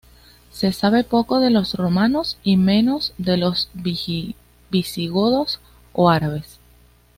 Se sabe poco de los romanos y menos de los visigodos o árabes.